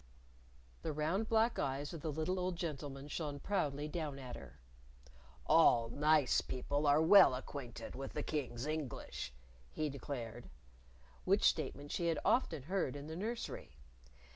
The round black eyes of the little old gentleman shone proudly down at her. "All nice people are well acquainted with the King's English," he declared which statement she had often heard in the nursery.